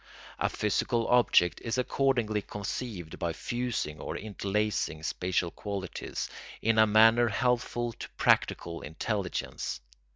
A physical object is accordingly conceived by fusing or interlacing spatial qualities, in a manner helpful to practical intelligence.